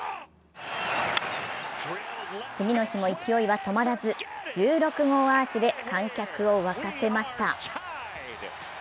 次の日も勢いは止まらず、１６号アーチで観客を沸かせました。